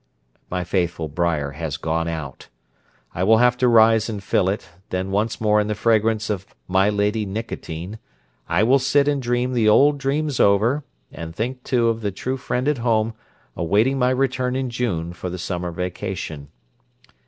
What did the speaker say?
My faithful briar has gone out. I will have to rise and fill it, then once more in the fragrance of My Lady Nicotine, I will sit and dream the old dreams over, and think, too, of the true friend at home awaiting my return in June for the summer vacation.